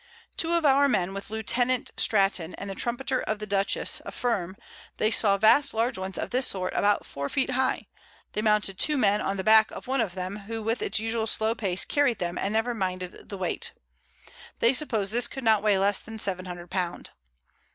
Two of our Men, with Lieut. Stratton, and the Trumpeter of the Dutchess, affirm, they saw vast large ones of this sort about 4 Foot high; they mounted 2 Men on the Back of one of them, who with its usual slow Pace carried them, and never minded the Weight: They suppos'd this could not weigh less than 700 Pound.